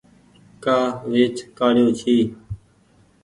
ڪآ ويچ ڪآڙيو ڇي۔